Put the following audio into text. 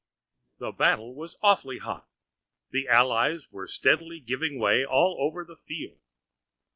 The battle was awfully hot; the allies were steadily giving way all over the field.